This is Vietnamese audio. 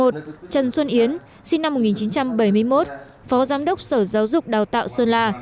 một trần xuân yến sinh năm một nghìn chín trăm bảy mươi một phó giám đốc sở giáo dục đào tạo sơn la